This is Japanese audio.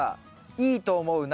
いいと思う苗。